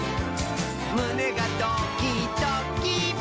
むねがドキドキ！」